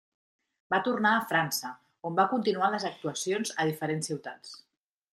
Va tornar a França, on va continuar les actuacions a diferents ciutats.